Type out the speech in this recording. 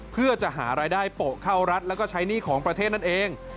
เพื่อจะหารายได้โปะเข้ารัฐแล้วก็ใช้หนี้ของประเทศนั่นเอง